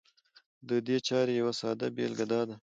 د دې چارې يوه ساده بېلګه دا ده